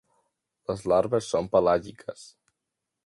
Les larves són pelàgiques.